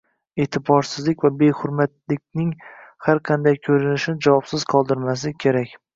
e’tiborsizlik va behurmatlikning har qanday ko‘rinishini javobsiz qoldirmaslik kerak.